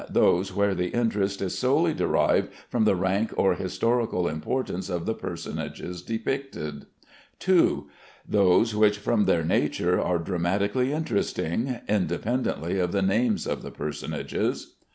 Those where the interest is solely derived from the rank or historical importance of the personages depicted. 2. Those which, from their nature, are dramatically interesting, independently of the names of the personages.